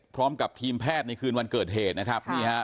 พร้อมกับทีมแพทย์ในคืนวันเกิดเหตุนะครับนี่ฮะ